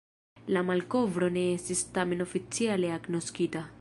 La malkovro ne estis tamen oficiale agnoskita.